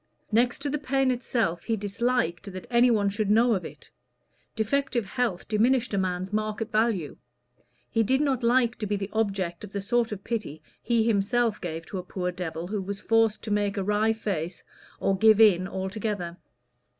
Next to the pain itself he disliked that any one should know of it: defective health diminished a man's market value; he did not like to be the object of the sort of pity he himself gave to a poor devil who was forced to make a wry face or "give in" altogether.